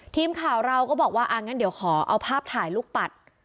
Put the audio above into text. ทีมข่าวเราก็บอกว่าอ่างั้นเดี๋ยวขอเอาภาพถ่ายลูกปัด